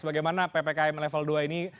bagaimana ppkm level dua ini